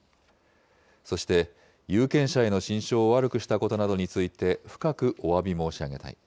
そして有権者への心証を悪くしたことなどについて深くおわび申し上げたい。